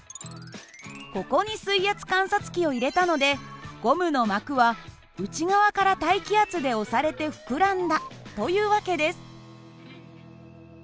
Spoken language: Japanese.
ここに水圧観察器を入れたのでゴムの膜は内側から大気圧で押されて膨らんだという訳です。